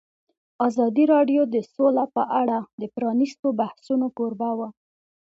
ازادي راډیو د سوله په اړه د پرانیستو بحثونو کوربه وه.